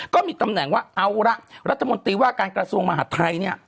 ก็มีตำแหน่งว่าเอาละรัฐมนตรีว่าการกระทรวงมหาดไทยเนี่ย